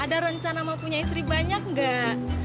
ada rencana mau punya istri banyak nggak